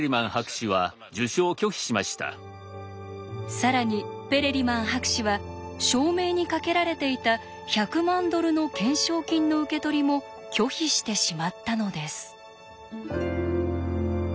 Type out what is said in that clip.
更にペレリマン博士は証明にかけられていた１００万ドルの懸賞金の受け取りも拒否してしまったのです。